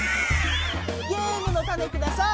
ゲームのタネください。